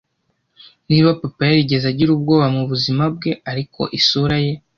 niba papa yarigeze agira ubwoba mubuzima bwe. ariko isura ye